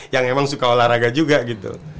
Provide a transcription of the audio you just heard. yang emang suka olahraga juga gitu